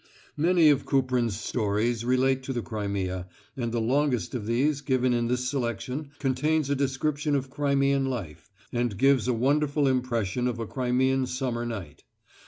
Many of Kuprin's stories relate to the Crimea, and the longest of these given in this selection contains a description of Crimean life, and gives (pp. 154 157) a wonderful impression of a Crimean summer night.